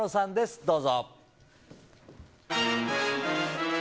どうぞ。